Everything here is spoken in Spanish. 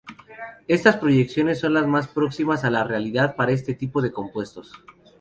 Estas proyecciones son las más próximas a la realidad para este tipo de compuestos.